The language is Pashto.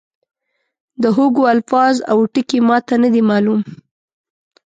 د هوګو الفاظ او ټکي ما ته نه دي معلوم.